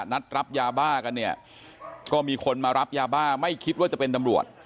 นัดรับยาบ้ากันเนี่ยก็มีคนมารับยาบ้าไม่คิดว่าจะเป็นตำรวจ